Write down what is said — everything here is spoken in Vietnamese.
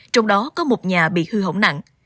trong đó có một nhà bị hư hỏng nặng